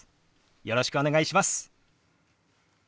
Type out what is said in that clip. よろしくお願いします。